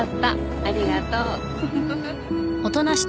ありがとう。